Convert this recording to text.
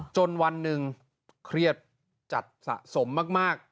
จนวันหนึ่งเครียดจัดสะสมมาก